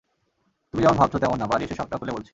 তুমি যেমন ভাবছো তেমন না, বাড়ি এসে সবটা খুলে বলছি।